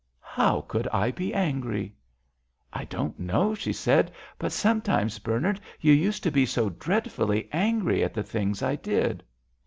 "How could I be angry?" "I don't know," she said; "but sometimes, Bernard, you used to be so dreadfully angry at the things I did."